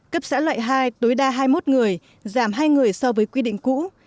cấp xã loại hai tối đa hai mươi một người giảm hai người so với quy định cũ